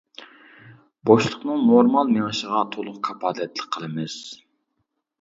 بوشلۇقنىڭ نورمال مېڭىشىغا تولۇق كاپالەتلىك قىلىمىز.